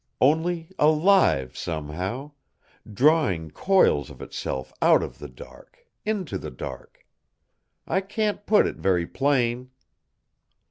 Only alive, somehow; drawing coils of itself out of the dark into the dark. I can't put it very plain."